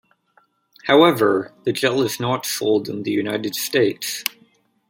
However, the gel is not sold in the United States.